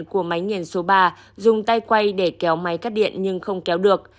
của máy nghiền số ba dùng tay quay để kéo máy cắt điện nhưng không kéo được